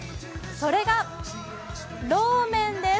それがローメンです。